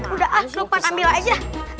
udah ah lukman ambil aja